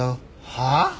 はあ？